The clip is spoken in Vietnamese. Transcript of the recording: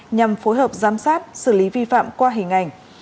nhằm phối hợp giám sát xử lý vi phạm qua hình ảnh